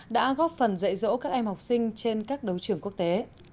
đã góp phần dạy dỗ các em học sinh trên các đấu trường quốc tế